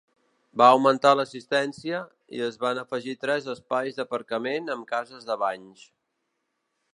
Va augmentar l'assistència, i es van afegir tres espais d'aparcament amb cases de banys.